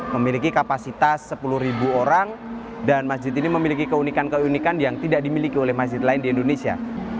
memiliki kapasitas sepuluh orang dan masjid ini memiliki keunikan keunikan yang tidak dimiliki oleh masjid lain di indonesia